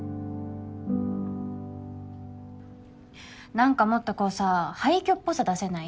何かもっとこうさ廃虚っぽさ出せない？